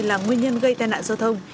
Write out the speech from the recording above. là nguyên nhân gây tai nạn giao thông